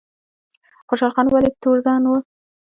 خوشحال خان ولې تورزن و؟